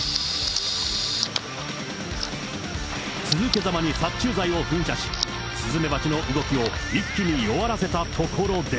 続けざまに殺虫剤を噴射し、スズメバチの動きを一気に弱らせたところで。